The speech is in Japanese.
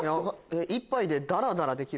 １杯で。